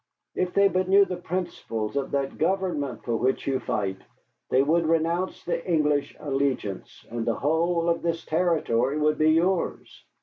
If they but knew the principles of that government for which you fight, they would renounce the English allegiance, and the whole of this territory would be yours.